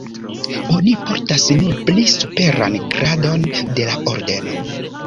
Oni portas nur pli superan gradon de la ordeno.